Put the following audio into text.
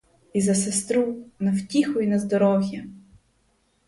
І за сестру, на втіху й на здоров'я!